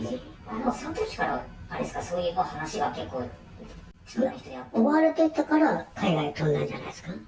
そのときから、あれですか、そういう話が結構してましたから、追われていたから海外に飛んだんじゃないですか。